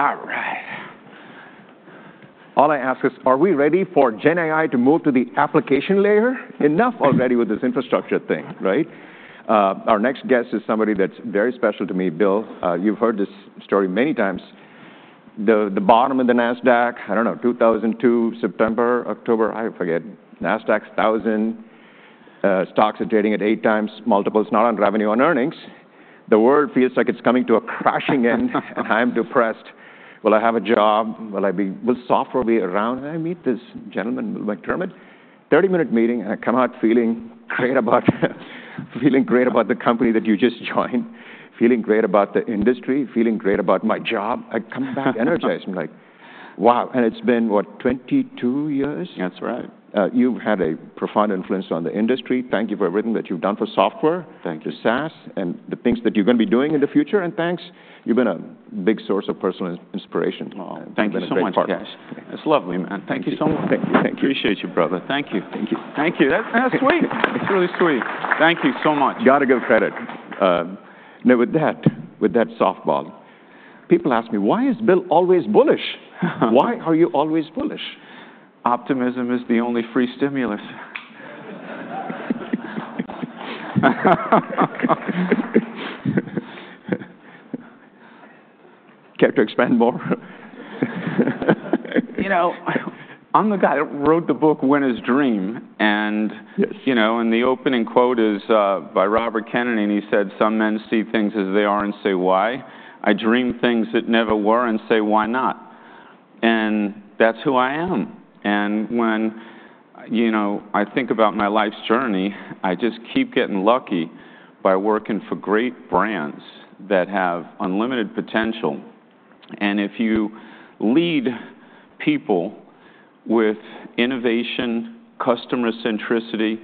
All right! All I ask is, are we ready for GenAI to move to the application layer? Enough already with this infrastructure thing, right? Our next guest is somebody that's very special to me, Bill. You've heard this story many times. The bottom of the Nasdaq, I don't know, 2002, September, October, I forget. Nasdaq's thousand, stocks are trading at eight times multiples, not on revenue, on earnings. The world feels like it's coming to a crashing end and I'm depressed. Will I have a job? Will software be around? I meet this gentleman, Bill McDermott. Thirty-minute meeting, and I come out feeling great about feeling great about the company that you just joined, feeling great about the industry, feeling great about my job. I come back energized. I'm like, "Wow!" It's been, what, 22 years? That's right. You've had a profound influence on the industry. Thank you for everything that you've done for software- Thank you... for SaaS, and the things that you're gonna be doing in the future, and thanks. You've been a big source of personal inspiration- Oh, thank you so much, guys. You've been a great partner. It's lovely, man. Thank you so much. Thank you. Thank you. Appreciate you, brother. Thank you. Thank you. Thank you. That's sweet. It's really sweet. Thank you so much. Gotta give credit. Now with that, with that softball, people ask me, "Why is Bill always bullish?" "Why are you always bullish? Optimism is the only free stimulus. Care to expand more? You know, I'm the guy that wrote the book, Winners Dream, and- Yes... you know, and the opening quote is, by Robert Kennedy, and he said, "Some men see things as they are and say, 'Why?' I dream things that never were and say, 'Why not?'" And that's who I am. And when, you know, I think about my life's journey, I just keep getting lucky by working for great brands that have unlimited potential. And if you lead people with innovation, customer centricity,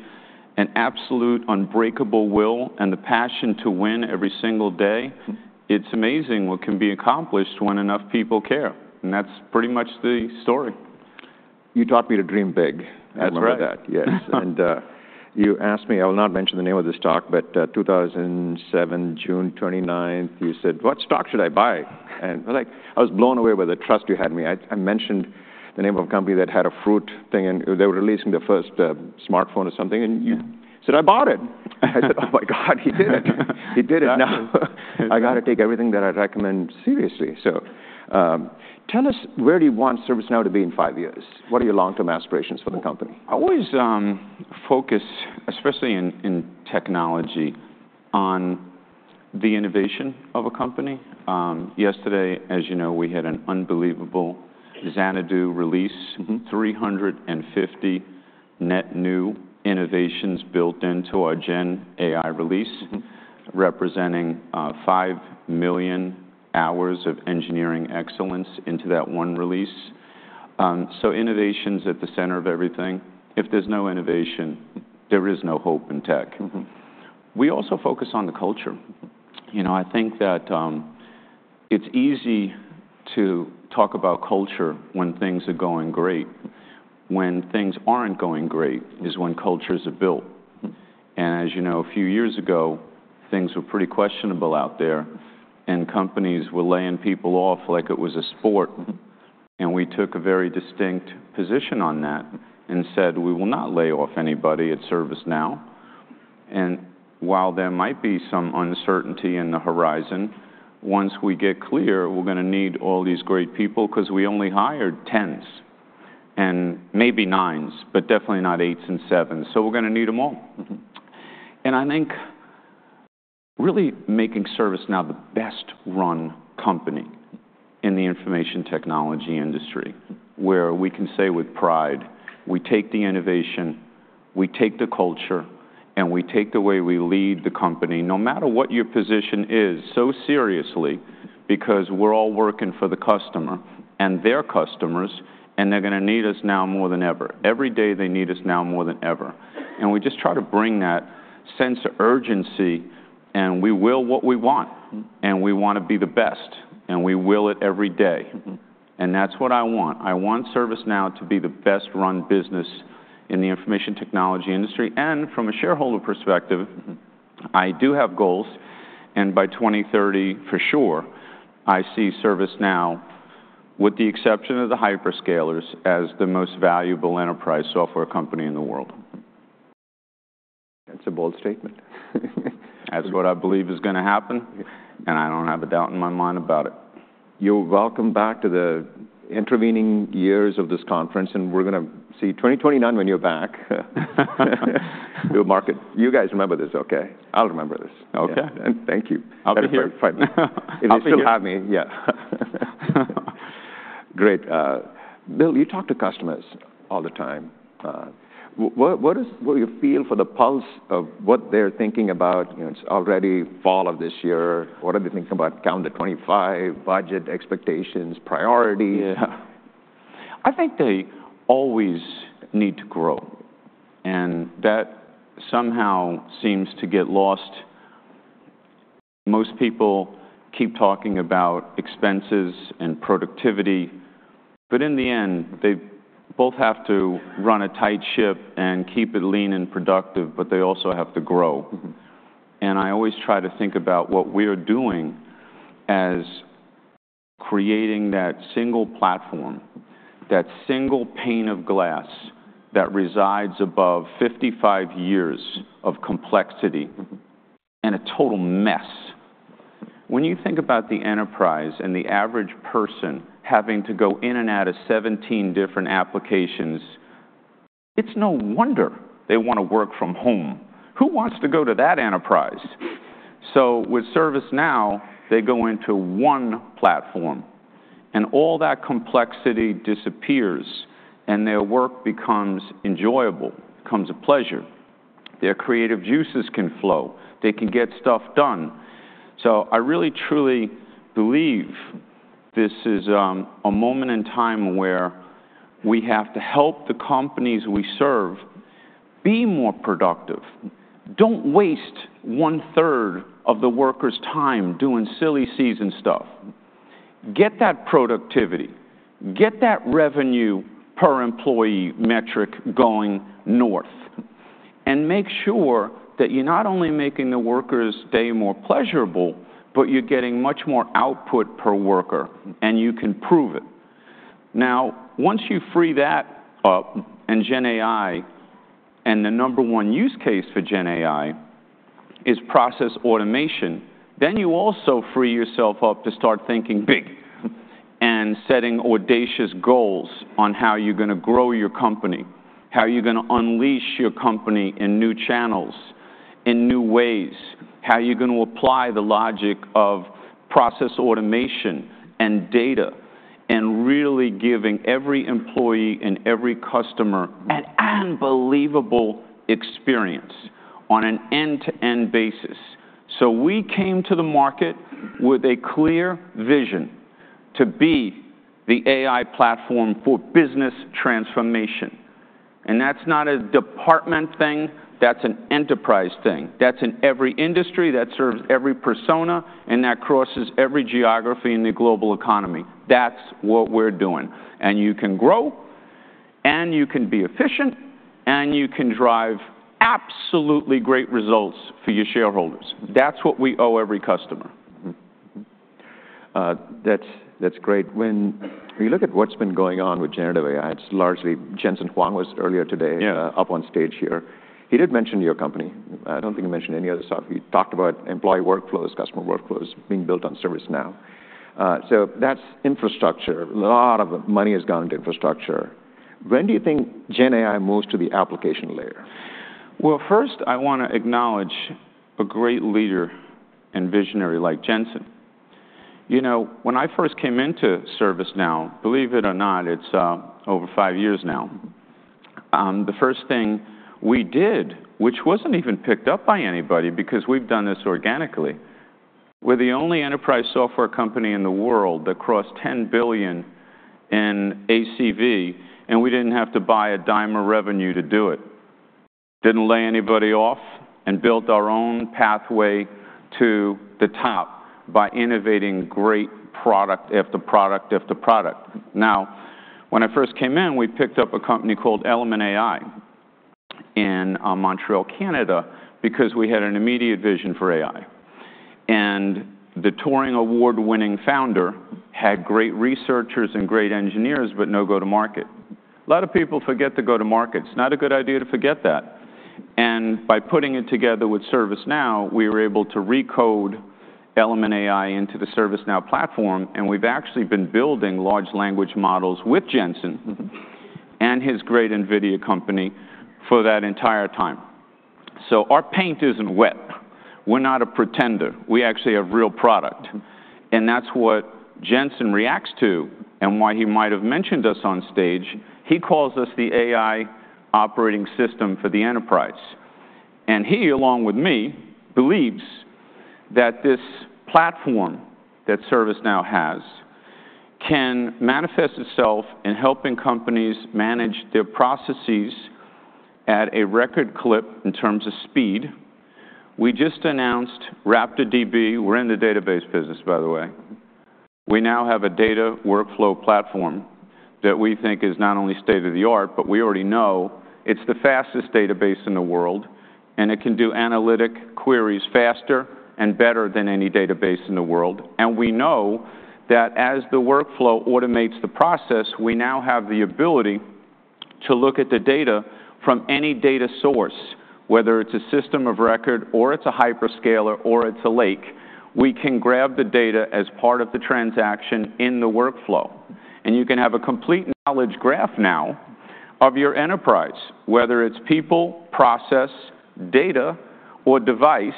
and absolute unbreakable will and the passion to win every single day, it's amazing what can be accomplished when enough people care, and that's pretty much the story. You taught me to dream big. That's right. I remember that, yes. And you asked me. I will not mention the name of the stock, but two thousand and seven, June twenty-ninth, you said, "What stock should I buy?" And like, I was blown away by the trust you had in me. I mentioned the name of a company that had a fruit thing, and they were releasing their first smartphone or something, and you said, "I bought it!" I said, "Oh, my God, he did it. He did it. Yeah. Now, I gotta take everything that I recommend seriously. So, tell us, where do you want ServiceNow to be in five years? What are your long-term aspirations for the company? I always focus, especially in technology, on the innovation of a company. Yesterday, as you know, we had an unbelievable Xanadu release. Mm-hmm. 350 net new innovations built into our GenAI release. Mm-hmm... representing five million hours of engineering excellence into that one release. So innovation's at the center of everything. If there's no innovation, there is no hope in tech. Mm-hmm. We also focus on the culture. You know, I think that, it's easy to talk about culture when things are going great. When things aren't going great is when cultures are built. Mm-hmm. As you know, a few years ago, things were pretty questionable out there, and companies were laying people off like it was a sport. Mm-hmm. And we took a very distinct position on that and said, "We will not lay off anybody at ServiceNow. And while there might be some uncertainty in the horizon, once we get clear, we're gonna need all these great people 'cause we only hired tens and maybe nines, but definitely not eights and sevens, so we're gonna need them all. Mm-hmm. And I think really making ServiceNow the best-run company in the information technology industry, where we can say with pride, we take the innovation, we take the culture, and we take the way we lead the company, no matter what your position is, so seriously because we're all working for the customer and their customers, and they're gonna need us now more than ever. Every day, they need us now more than ever. And we just try to bring that sense of urgency, and we will what we want. Mm. We want to be the best, and we will it every day. Mm-hmm. That's what I want. I want ServiceNow to be the best-run business in the information technology industry. From a shareholder perspective- Mm-hmm I do have goals, and by 2030, for sure, I see ServiceNow, with the exception of the hyperscalers, as the most valuable enterprise software company in the world. That's a bold statement. That's what I believe is gonna happen, and I don't have a doubt in my mind about it. You're welcome back to the intervening years of this conference, and we're gonna see 2029 when you're back. We'll mark it. You guys remember this, okay? I'll remember this. Okay. Thank you. I'll be here. If you still have me. Yeah. Great. Bill, you talk to customers all the time. What you feel is the pulse of what they're thinking about? You know, it's already fall of this year. What are they thinking about calendar '25, budget expectations, priorities? Yeah. I think they always need to grow, and that somehow seems to get lost. Most people keep talking about expenses and productivity, but in the end, they both have to run a tight ship and keep it lean and productive, but they also have to grow. Mm-hmm. And I always try to think about what we are doing as creating that single platform, that single pane of glass that resides above fifty-five years of complexity and a total mess. When you think about the enterprise and the average person having to go in and out of seventeen different applications, it's no wonder they want to work from home. Who wants to go to that enterprise? So with ServiceNow, they go into one platform, and all that complexity disappears, and their work becomes enjoyable, becomes a pleasure. Their creative juices can flow. They can get stuff done. So I really, truly believe this is a moment in time where we have to help the companies we serve be more productive. Don't waste one-third of the worker's time doing silly season stuff. Get that productivity, get that revenue per employee metric going north, and make sure that you're not only making the worker's day more pleasurable, but you're getting much more output per worker, and you can prove it. Now, once you free that up and GenAI, and the number one use case for GenAI is process automation, then you also free yourself up to start thinking big and setting audacious goals on how you're going to grow your company, how you're going to unleash your company in new channels, in new ways, how you're going to apply the logic of process automation and data, and really giving every employee and every customer an unbelievable experience on an end-to-end basis. So we came to the market with a clear vision to be the AI platform for business transformation, and that's not a department thing. That's an enterprise thing. That's in every industry, that serves every persona, and that crosses every geography in the global economy. That's what we're doing, and you can grow, and you can be efficient, and you can drive absolutely great results for your shareholders. That's what we owe every customer. That's great. When you look at what's been going on with generative AI, it's largely... Jensen Huang was earlier today- Yeah Up on stage here. He did mention your company. I don't think he mentioned any other stuff. He talked about employee workflows, customer workflows being built on ServiceNow. So that's infrastructure. A lot of money has gone into infrastructure. When do you think GenAI moves to the application layer? First, I want to acknowledge a great leader and visionary like Jensen. You know, when I first came into ServiceNow, believe it or not, it's over five years now, the first thing we did, which wasn't even picked up by anybody because we've done this organically, we're the only enterprise software company in the world that crossed ten billion in ACV, and we didn't have to buy a dime of revenue to do it. Didn't lay anybody off and built our own pathway to the top by innovating great product after product after product. Now, when I first came in, we picked up a company called Element AI in Montreal, Canada, because we had an immediate vision for AI, and the Turing Award-winning founder had great researchers and great engineers, but no go-to-market. A lot of people forget the go-to-market. It's not a good idea to forget that, and by putting it together with ServiceNow, we were able to recode Element AI into the ServiceNow platform, and we've actually been building large language models with Jensen- Mm-hmm... and his great NVIDIA company for that entire time. So our paint isn't wet. We're not a pretender. We actually have real product, and that's what Jensen reacts to and why he might have mentioned us on stage. He calls us the AI operating system for the enterprise, and he, along with me, believes that this platform that ServiceNow has can manifest itself in helping companies manage their processes at a record clip in terms of speed. We just announced RaptorDB. We're in the database business, by the way. We now have a data workflow platform that we think is not only state-of-the-art, but we already know it's the fastest database in the world, and it can do analytic queries faster and better than any database in the world. And we know that as the workflow automates the process, we now have the ability to look at the data from any data source, whether it's a system of record or it's a hyperscaler or it's a lake. We can grab the data as part of the transaction in the workflow, and you can have a complete knowledge graph now of your enterprise, whether it's people, process, data, or device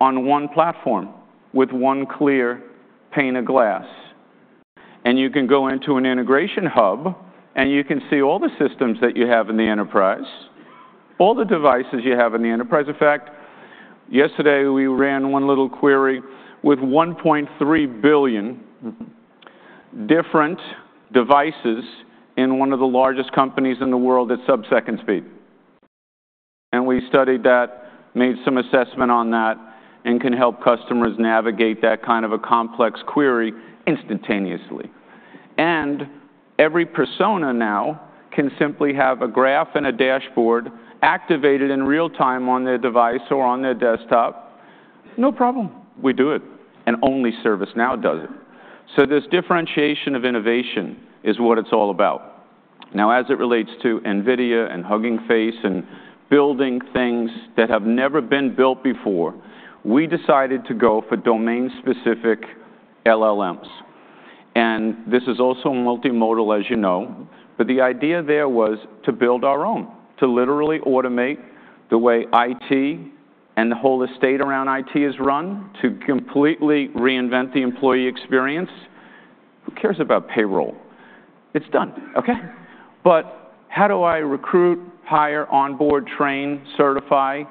on one platform with one clear pane of glass. And you can go into an Integration Hub, and you can see all the systems that you have in the enterprise, all the devices you have in the enterprise. In fact, yesterday, we ran one little query with one point three billion- Mm... different devices in one of the largest companies in the world at sub-second speed. And we studied that, made some assessment on that, and can help customers navigate that kind of a complex query instantaneously... and every persona now can simply have a graph and a dashboard activated in real time on their device or on their desktop. No problem, we do it, and only ServiceNow does it. So this differentiation of innovation is what it's all about. Now, as it relates to NVIDIA and Hugging Face and building things that have never been built before, we decided to go for domain-specific LLMs, and this is also multimodal, as you know. But the idea there was to build our own, to literally automate the way IT and the whole estate around IT is run, to completely reinvent the employee experience. Who cares about payroll? It's done, okay. But how do I recruit, hire, onboard, train, certify,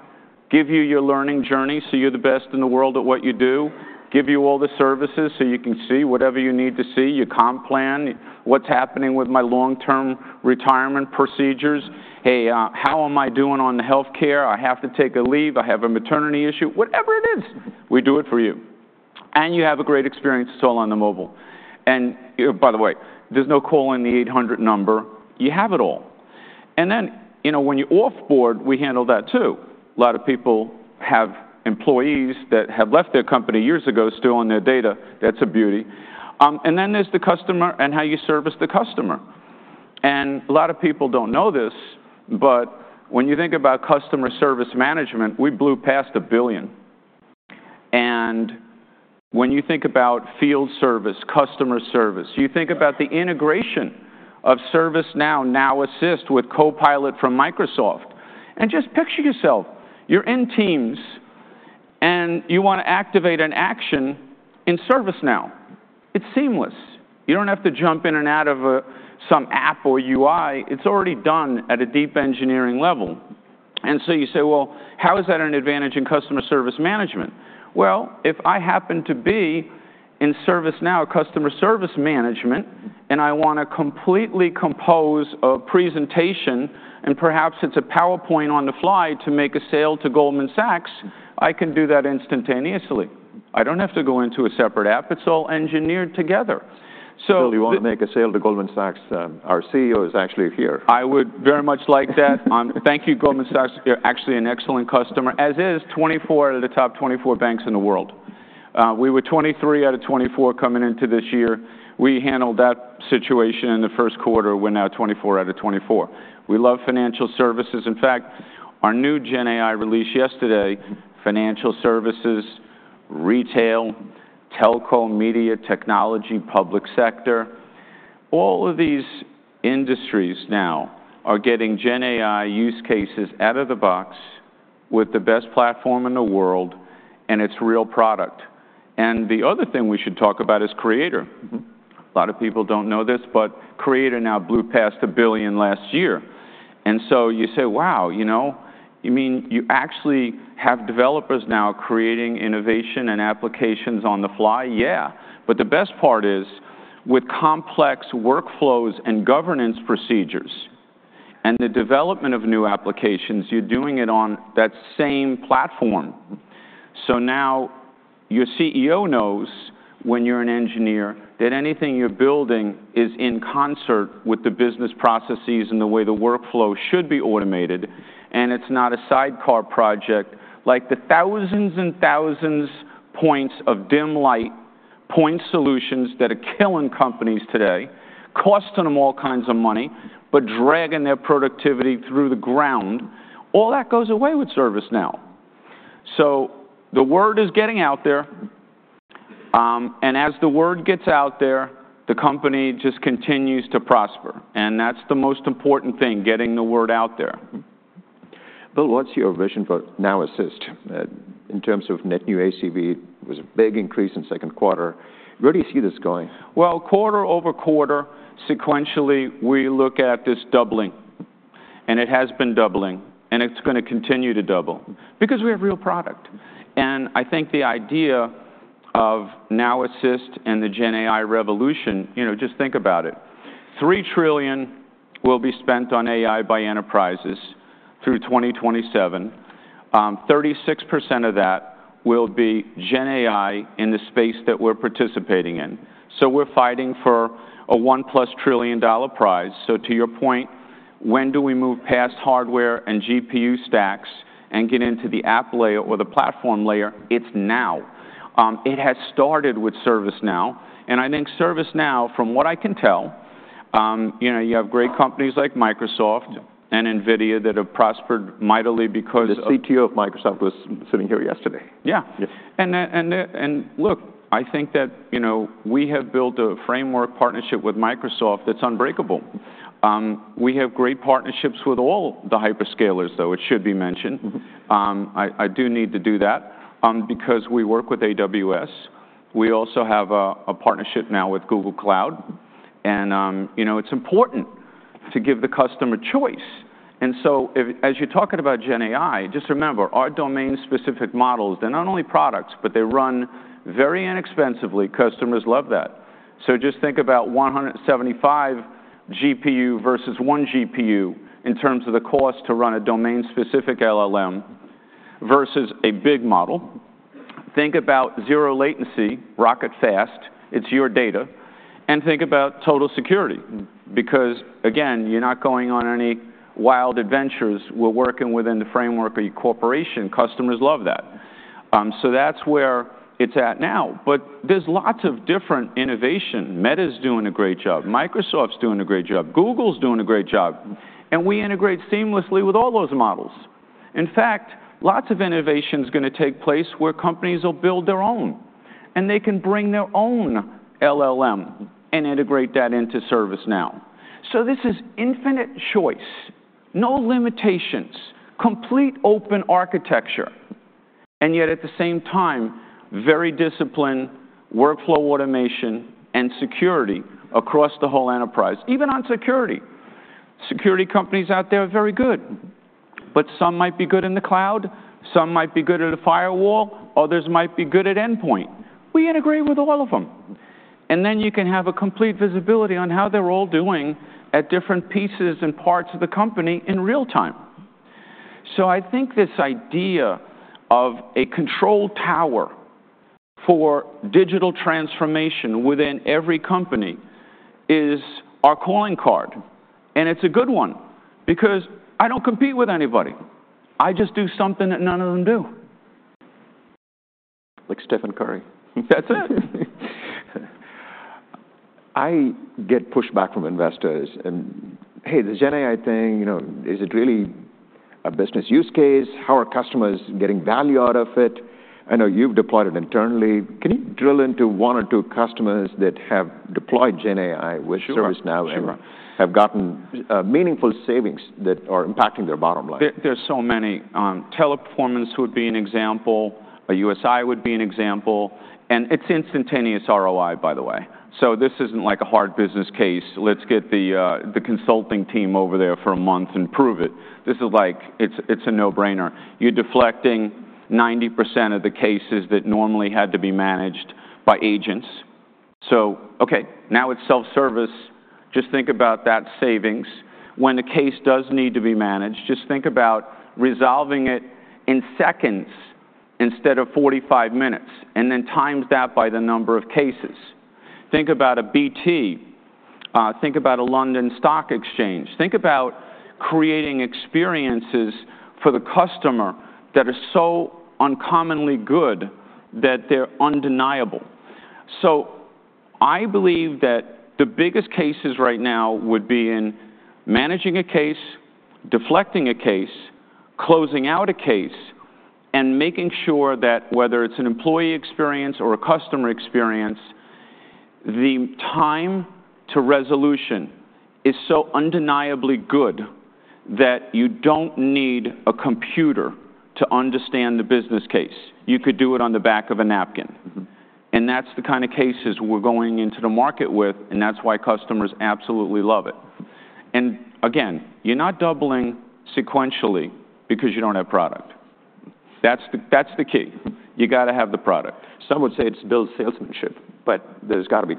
give you your learning journey so you're the best in the world at what you do, give you all the services so you can see whatever you need to see, your comp plan, what's happening with my long-term retirement procedures? "Hey, how am I doing on the healthcare? I have to take a leave. I have a maternity issue." Whatever it is, we do it for you, and you have a great experience. It's all on the mobile. And, by the way, there's no calling the eight hundred number. You have it all. And then, you know, when you off-board, we handle that, too. A lot of people have employees that have left their company years ago still on their data. That's a beauty. And then there's the customer and how you service the customer. A lot of people don't know this, but when you think about Customer Service Management, we blew past $1 billion. When you think about field service, customer service, you think about the integration of ServiceNow Now Assist with Copilot from Microsoft. Just picture yourself. You're in Teams, and you want to activate an action in ServiceNow. It's seamless. You don't have to jump in and out of some app or UI. It's already done at a deep engineering level. You say, "Well, how is that an advantage in Customer Service Management?" If I happen to be in ServiceNow Customer Service Management, and I want to completely compose a presentation, and perhaps it's a PowerPoint on the fly to make a sale to Goldman Sachs, I can do that instantaneously. I don't have to go into a separate app. It's all engineered together. So- Bill, you want to make a sale to Goldman Sachs? Our CEO is actually here. I would very much like that. Thank you, Goldman Sachs. You're actually an excellent customer, as is 24 out of the top 24 banks in the world. We were 23 out of 24 coming into this year. We handled that situation in the first quarter. We're now 24 out of 24. We love financial services. In fact, our new GenAI release yesterday, financial services, retail, telco, media, technology, public sector, all of these industries now are getting GenAI use cases out of the box with the best platform in the world, and it's real product, and the other thing we should talk about is Creator. Mm-hmm. A lot of people don't know this, but Creator now blew past $1 billion last year. And so you say, "Wow, you know, you mean you actually have developers now creating innovation and applications on the fly?" Yeah, but the best part is, with complex workflows and governance procedures and the development of new applications, you're doing it on that same platform. Mm. So now your CEO knows when you're an engineer, that anything you're building is in concert with the business processes and the way the workflow should be automated, and it's not a sidecar project. Like the thousands and thousands points of dim light, point solutions that are killing companies today, costing them all kinds of money, but dragging their productivity through the ground, all that goes away with ServiceNow. So the word is getting out there, and as the word gets out there, the company just continues to prosper, and that's the most important thing, getting the word out there. Mm-hmm. Bill, what's your vision for Now Assist in terms of net new ACV? It was a big increase in second quarter. Where do you see this going? Quarter over quarter, sequentially, we look at this doubling, and it has been doubling, and it's gonna continue to double because we have real product. I think the idea of Now Assist and the GenAI revolution, you know, just think about it. 3 trillion will be spent on AI by enterprises through 2027. 36% of that will be GenAI in the space that we're participating in. So we're fighting for a $1+ trillion prize. To your point, when do we move past hardware and GPU stacks and get into the app layer or the platform layer? It's now. It has started with ServiceNow, and I think ServiceNow, from what I can tell, you know, you have great companies like Microsoft- Yeah... and NVIDIA that have prospered mightily because of- The CTO of Microsoft was sitting here yesterday. Yeah. Yes. And then... And look, I think that, you know, we have built a framework partnership with Microsoft that's unbreakable. We have great partnerships with all the hyperscalers, though. It should be mentioned. Mm-hmm. I do need to do that, because we work with AWS. We also have a partnership now with Google Cloud, and you know, it's important to give the customer choice. And so as you're talking about GenAI, just remember, our domain-specific models, they're not only products, but they run very inexpensively. Customers love that. So just think about 175 GPU versus 1 GPU in terms of the cost to run a domain-specific LLM versus a big model. Think about 0 latency, rocket fast, it's your data, and think about total security. Because, again, you're not going on any wild adventures. We're working within the framework of your corporation. Customers love that. So that's where it's at now, but there's lots of different innovation. Meta's doing a great job, Microsoft's doing a great job, Google's doing a great job, and we integrate seamlessly with all those models. In fact, lots of innovation's gonna take place where companies will build their own, and they can bring their own LLM and integrate that into ServiceNow. So this is infinite choice, no limitations, complete open architecture, and yet at the same time, very disciplined workflow automation and security across the whole enterprise. Even on security, security companies out there are very good, but some might be good in the cloud, some might be good at a firewall, others might be good at endpoint. We integrate with all of them, and then you can have a complete visibility on how they're all doing at different pieces and parts of the company in real time. So I think this idea of a control tower for digital transformation within every company is our calling card, and it's a good one, because I don't compete with anybody. I just do something that none of them do. Like Stephen Curry. That's it! I get pushback from investors, and, "Hey, this GenAI thing, you know, is it really a business use case? How are customers getting value out of it?" I know you've deployed it internally. Can you drill into one or two customers that have deployed GenAI? Sure... with ServiceNow- Sure... and have gotten meaningful savings that are impacting their bottom line? There's so many. Teleperformance would be an example, a USI would be an example, and it's instantaneous ROI, by the way. So this isn't like a hard business case, "Let's get the consulting team over there for a month and prove it." This is like, it's a no-brainer. You're deflecting 90% of the cases that normally had to be managed by agents. So, okay, now it's self-service. Just think about that savings. When a case does need to be managed, just think about resolving it in seconds instead of 45 minutes, and then times that by the number of cases. Think about a BT. Think about a London Stock Exchange. Think about creating experiences for the customer that are so uncommonly good that they're undeniable. So I believe that the biggest cases right now would be in managing a case, deflecting a case, closing out a case, and making sure that whether it's an employee experience or a customer experience, the time to resolution is so undeniably good that you don't need a computer to understand the business case. You could do it on the back of a napkin. Mm-hmm. That's the kind of cases we're going into the market with, and that's why customers absolutely love it. Again, you're not doubling sequentially because you don't have product. That's the, that's the key. You gotta have the product. Some would say it's Bill's salesmanship, but there's gotta be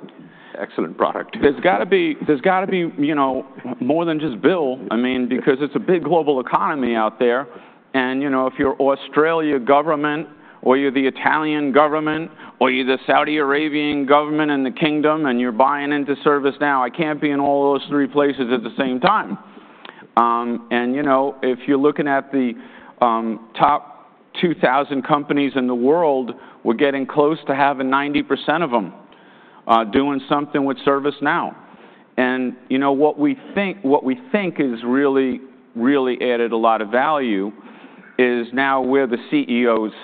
excellent product. There's gotta be, there's gotta be, you know, more than just Bill. I mean, because it's a big global economy out there, and, you know, if you're Australian government or you're the Italian government or you're the Saudi Arabian government and the Kingdom, and you're buying into ServiceNow, I can't be in all those three places at the same time. And, you know, if you're looking at the top 2,000 companies in the world, we're getting close to having 90% of them doing something with ServiceNow. And, you know, what we think, what we think has really, really added a lot of value is now we're the CEO's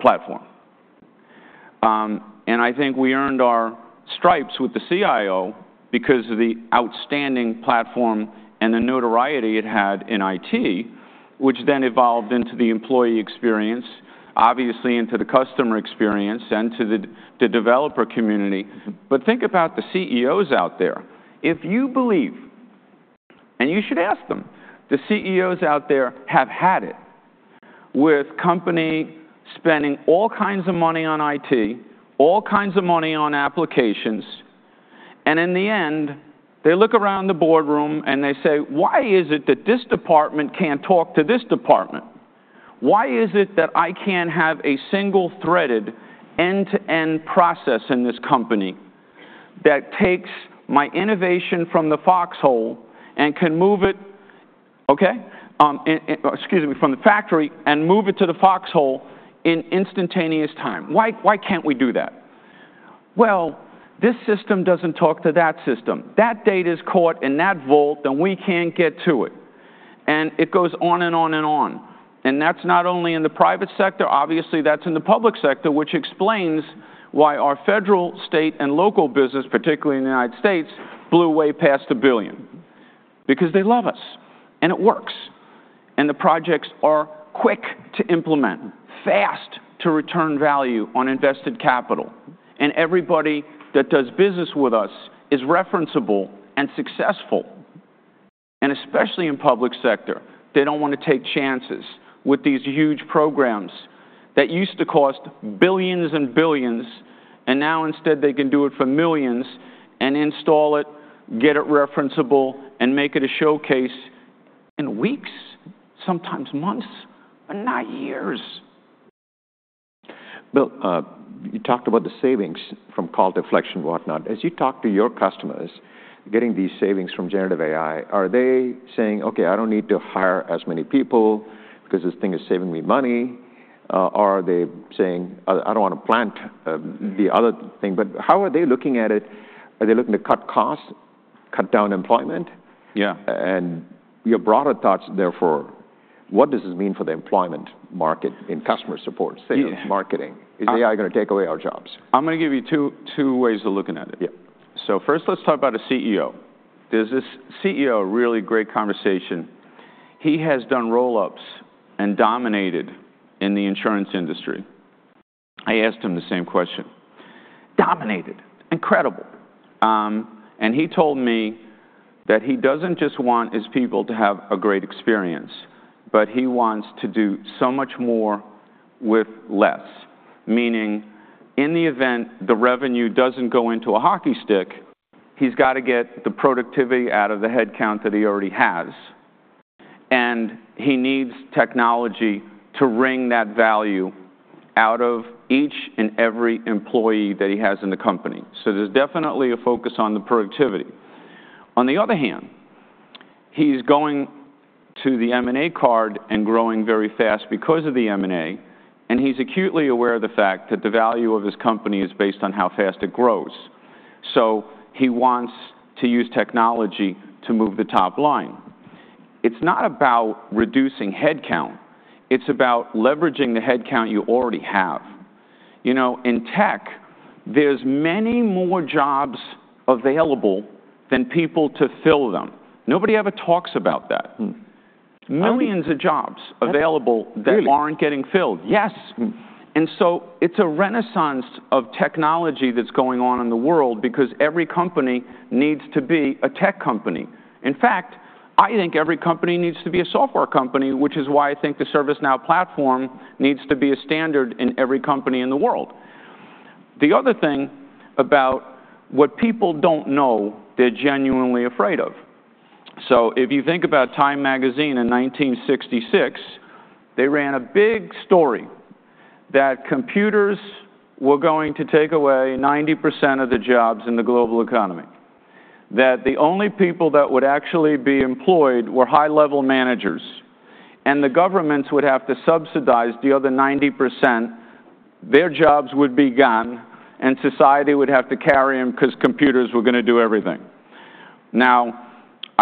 platform. And I think we earned our stripes with the CIO because of the outstanding platform and the notoriety it had in IT, which then evolved into the employee experience, obviously into the customer experience and to the developer community. But think about the CEOs out there. If you believe, and you should ask them, the CEOs out there have had it with company spending all kinds of money on IT, all kinds of money on applications, and in the end, they look around the boardroom and they say: "Why is it that this department can't talk to this department? Why is it that I can't have a single-threaded, end-to-end process in this company that takes my innovation from the factory and move it to the foxhole in instantaneous time? Why, why can't we do that?" Well, this system doesn't talk to that system. That data is caught in that vault, and we can't get to it. And it goes on and on and on, and that's not only in the private sector. Obviously that's in the public sector, which explains why our federal, state, and local business, particularly in the United States, blew way past $1 billion. Because they love us, and it works, and the projects are quick to implement, fast to return value on invested capital, and everybody that does business with us is referenceable and successful. And especially in public sector, they don't want to take chances with these huge programs that used to cost billions and billions, and now instead, they can do it for millions and install it, get it referenceable, and make it a showcase... in weeks, sometimes months, but not years. Bill, you talked about the savings from call deflection and whatnot. As you talk to your customers getting these savings from generative AI, are they saying, "Okay, I don't need to hire as many people, because this thing is saving me money"? Are they saying, "I don't wanna plant the other thing..." But how are they looking at it? Are they looking to cut costs, cut down employment? Yeah. Your broader thoughts, therefore, what does this mean for the employment market in customer support? Yeah... sales, marketing? Is AI gonna take away our jobs? I'm gonna give you two ways of looking at it. Yeah. So first, let's talk about a CEO. There's this CEO. Really great conversation. He has done roll-ups and dominated in the insurance industry. I asked him the same question. Dominated! Incredible. And he told me that he doesn't just want his people to have a great experience, but he wants to do so much more with less, meaning in the event the revenue doesn't go into a hockey stick, he's got to get the productivity out of the headcount that he already has, and he needs technology to wring that value out of each and every employee that he has in the company. So there's definitely a focus on the productivity. On the other hand, he's going to the M&A card and growing very fast because of the M&A, and he's acutely aware of the fact that the value of his company is based on how fast it grows. So he wants to use technology to move the top line. It's not about reducing headcount, it's about leveraging the headcount you already have. You know, in tech, there's many more jobs available than people to fill them. Nobody ever talks about that. Mm. Millions of jobs available. Really?... that aren't getting filled. Yes! Mm. And so it's a renaissance of technology that's going on in the world, because every company needs to be a tech company. In fact, I think every company needs to be a software company, which is why I think the ServiceNow platform needs to be a standard in every company in the world. The other thing about what people don't know, they're genuinely afraid of. So if you think about Time Magazine in 1966, they ran a big story that computers were going to take away 90% of the jobs in the global economy, that the only people that would actually be employed were high-level managers, and the governments would have to subsidize the other 90%. Their jobs would be gone, and society would have to carry them 'cause computers were gonna do everything. Now,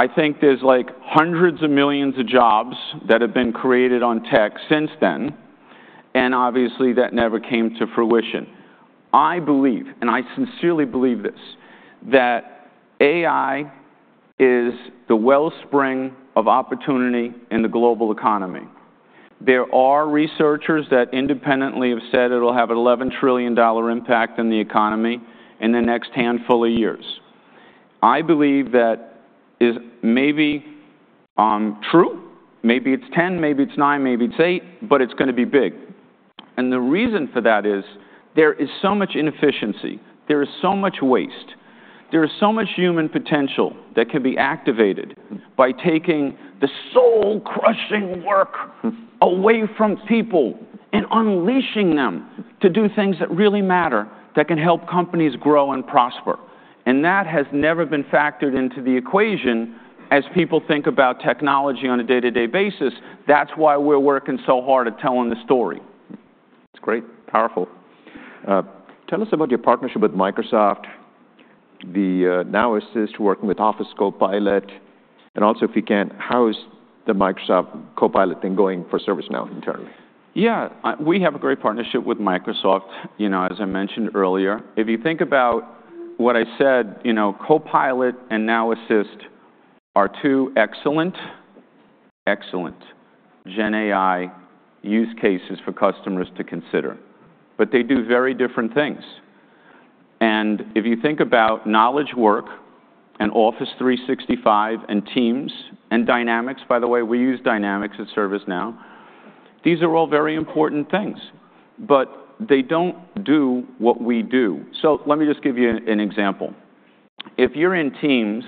I think there's, like, hundreds of millions of jobs that have been created on tech since then, and obviously, that never came to fruition. I believe, and I sincerely believe this, that AI is the wellspring of opportunity in the global economy. There are researchers that independently have said it'll have an $11 trillion impact on the economy in the next handful of years. I believe that is maybe true. Maybe it's ten, maybe it's nine, maybe it's eight, but it's gonna be big, and the reason for that is there is so much inefficiency, there is so much waste, there is so much human potential that can be activated- Mm... by taking the soul-crushing work- Mm... away from people and unleashing them to do things that really matter, that can help companies grow and prosper, and that has never been factored into the equation as people think about technology on a day-to-day basis. That's why we're working so hard at telling the story. That's great. Powerful. Tell us about your partnership with Microsoft, the Now Assist working with Microsoft Copilot, and also, if you can, how is the Microsoft Copilot thing going for ServiceNow internally? Yeah. We have a great partnership with Microsoft, you know, as I mentioned earlier. If you think about what I said, you know, Copilot and Now Assist are two excellent, excellent GenAI use cases for customers to consider, but they do very different things. And if you think about knowledge work and Office 365 and Teams and Dynamics. By the way, we use Dynamics at ServiceNow. These are all very important things, but they don't do what we do. So let me just give you an example. If you're in Teams,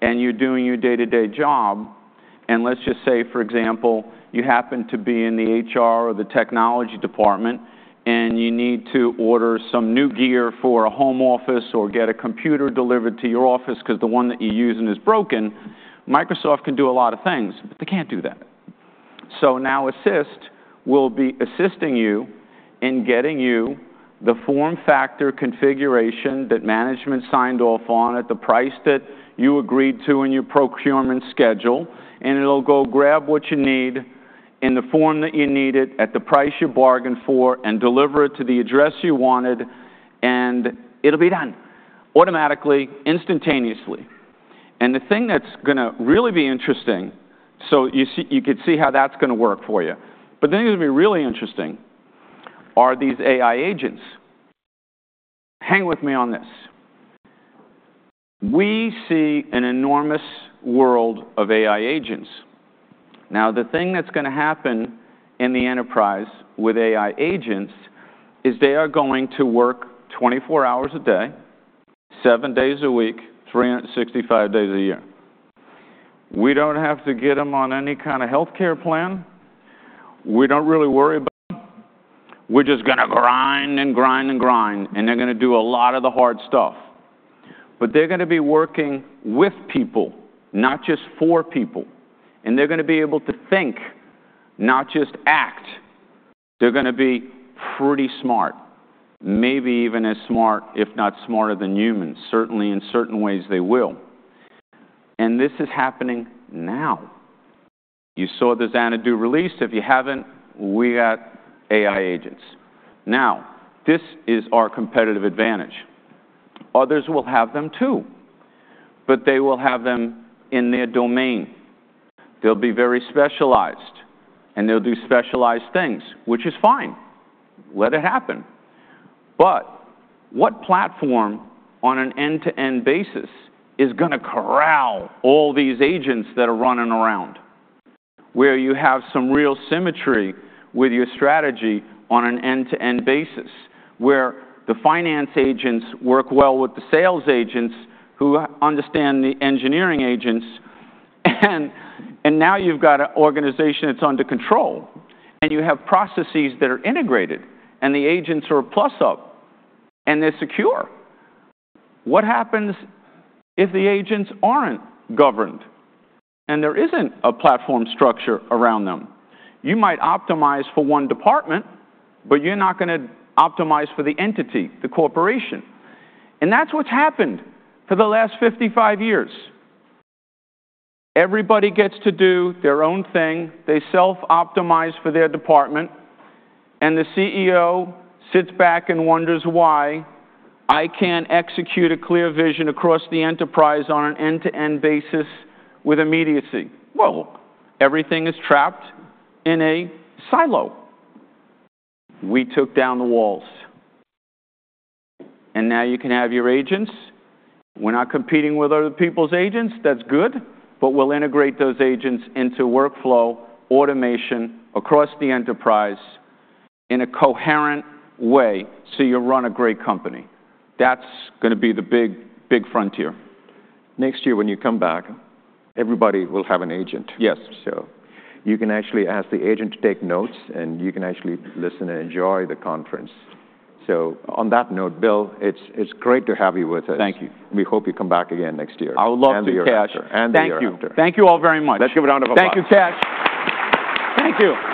and you're doing your day-to-day job, and let's just say, for example, you happen to be in the HR or the technology department, and you need to order some new gear for a home office or get a computer delivered to your office 'cause the one that you're using is broken, Microsoft can do a lot of things, but they can't do that. So Now Assist will be assisting you in getting you the form factor configuration that management signed off on at the price that you agreed to in your procurement schedule, and it'll go grab what you need in the form that you need it, at the price you bargained for, and deliver it to the address you wanted, and it'll be done automatically, instantaneously, and the thing that's gonna really be interesting... So you see, you could see how that's gonna work for you, but the thing that's gonna be really interesting are these AI agents. Hang with me on this. We see an enormous world of AI agents. Now, the thing that's gonna happen in the enterprise with AI agents is they are going to work 24 hours a day... seven days a week, three hundred and sixty-five days a year. We don't have to get them on any kind of healthcare plan. We don't really worry about them. We're just gonna grind and grind and grind, and they're gonna do a lot of the hard stuff. But they're gonna be working with people, not just for people, and they're gonna be able to think, not just act. They're gonna be pretty smart, maybe even as smart, if not smarter than humans. Certainly, in certain ways, they will. This is happening now. You saw the Xanadu release. If you haven't, we got AI agents. Now, this is our competitive advantage. Others will have them, too, but they will have them in their domain. They'll be very specialized, and they'll do specialized things, which is fine. Let it happen. But what platform on an end-to-end basis is gonna corral all these agents that are running around, where you have some real symmetry with your strategy on an end-to-end basis, where the finance agents work well with the sales agents who understand the engineering agents, and now you've got an organization that's under control, and you have processes that are integrated, and the agents are a plus-up, and they're secure? What happens if the agents aren't governed and there isn't a platform structure around them? You might optimize for one department, but you're not gonna optimize for the entity, the corporation, and that's what's happened for the last fifty-five years. Everybody gets to do their own thing. They self-optimize for their department, and the CEO sits back and wonders why I can't execute a clear vision across the enterprise on an end-to-end basis with immediacy, well, everything is trapped in a silo. We took down the walls, and now you can have your agents. We're not competing with other people's agents, that's good, but we'll integrate those agents into workflow automation across the enterprise in a coherent way, so you run a great company. That's gonna be the big, big frontier. Next year, when you come back, everybody will have an agent. Yes. So you can actually ask the agent to take notes, and you can actually listen and enjoy the conference. So on that note, Bill, it's great to have you with us. Thank you. We hope you come back again next year. I would love to, Kash. And the year after, and the year after. Thank you. Thank you all very much. Let's give a round of applause. Thank you, Kash. Thank you!